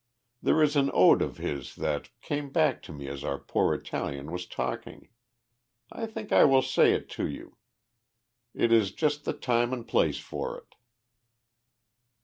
"There is an ode of his that came back to me as our poor Italian was talking. I think I will say it to you. It is just the time and place for it."